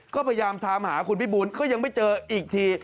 ก็พยายามถามหาคุณพี่บูลก็ยังไม่เจออีกที